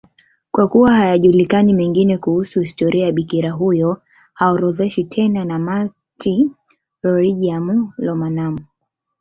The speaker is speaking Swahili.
Kwa kuwa hayajulikani mengine kuhusu historia ya bikira huyo, haorodheshwi tena na Martyrologium Romanum.